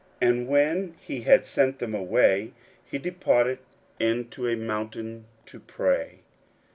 41:006:046 And when he had sent them away, he departed into a mountain to pray.